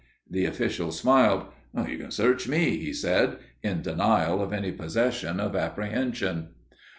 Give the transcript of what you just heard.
The official smiled. "You can search me!" he said, in denial of any possession of apprehension.